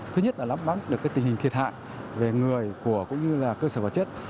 thứ nhất là lắm bắt được cái tình hình thiệt hại về người của cũng như là cơ sở vật chất